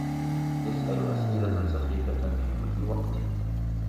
يسأل أسئلة سخيفة في كل وقت.